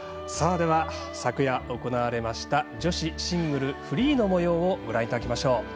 昨夜行われました女子シングルフリーのもようをご覧いただきましょう。